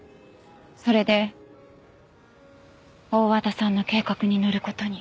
それで大和田さんの計画に乗る事に。